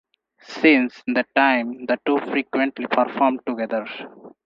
Since that time the two frequently performed together.